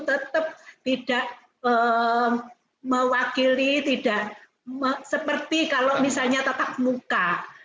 tetap tidak mewakili tidak seperti kalau misalnya tetap muka